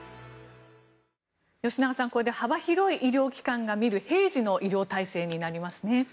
吉永さん、これで幅広い医療機関が診る平時の医療体制になりますね。